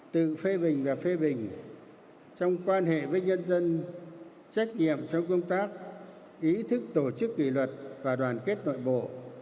tự phê bình và phê bình trong quan hệ với nhân dân trách nhiệm trong công tác ý thức tổ chức kỷ luật và đoàn kết nội bộ